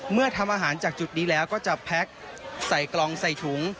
ทำอาหารจากจุดนี้แล้วก็จะแพ็คใส่กล่องใส่ถุง